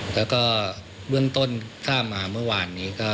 แล้วก็เบื้องต้นทราบมาเมื่อวานนี้ก็